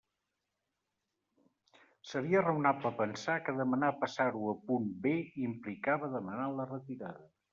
Seria raonable pensar que demanar passar-ho a punt B implicava demanar la retirada.